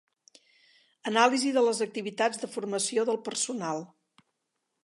Anàlisi de les activitats de formació del personal.